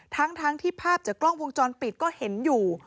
ทั้งที่ภาพจากกล้องวงจรปิดก็เห็นอยู่